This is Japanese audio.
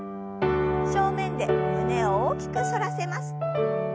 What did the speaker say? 正面で胸を大きく反らせます。